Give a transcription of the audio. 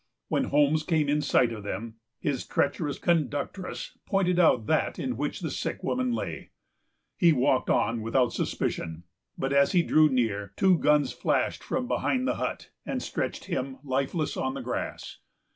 When Holmes came in sight of them, his treacherous conductress pointed out that in which the sick woman lay. He walked on without suspicion; but, as he drew near, two guns flashed from behind the hut, and stretched him lifeless on the grass.